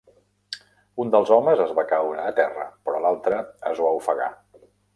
Un dels homes es va caure a terra però l'altre es va ofegar.